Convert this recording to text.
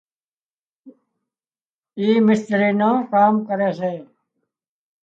اي مستري نُون ڪام ڪري سي